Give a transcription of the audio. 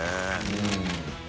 うん。